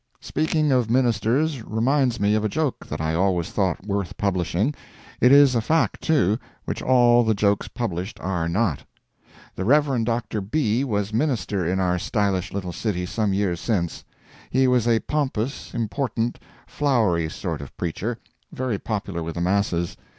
Speaking of ministers reminds me of a joke that I always thought worth publishing; it is a fact, too, which all the jokes published are not. The Rev. Dr. B. was minister in our stylish little city some years since. He was a pompous, important, flowery sort of preacher—very popular with the masses.